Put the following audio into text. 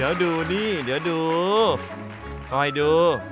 เดี๋ยวดูนี่เดี๋ยวดูคอยดู